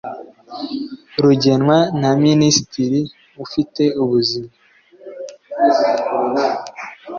rugenwa na Minisitiri ufite ubuzima